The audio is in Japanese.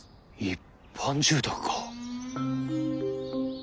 一般住宅か。